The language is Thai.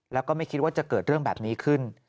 แล้วก็ไม่คิดว่าจะเกิดเรื่องแบบนี้ขึ้น